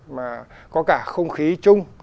mà có cả không khí chung